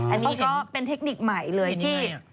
อันนี้ก็เป็นเทคนิคใหม่เลยที่